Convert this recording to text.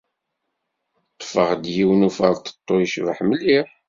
Ṭṭfeɣ-d yiwen uferṭeṭṭu yecbeḥ mliḥ.